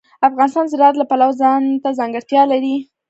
افغانستان د زراعت له پلوه ځانته ځانګړتیا لري.